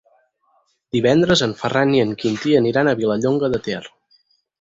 Divendres en Ferran i en Quintí aniran a Vilallonga de Ter.